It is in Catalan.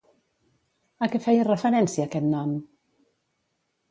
A què feia referència aquest nom?